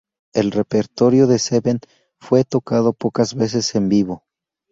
El repertorio de "Seven" fue tocado pocas veces en vivo.